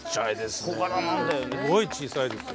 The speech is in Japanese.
すごい小さいです。